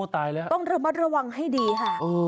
ตายแล้วต้องระวังให้ดีค่ะ